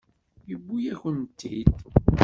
Yewwi-yakent-t-id.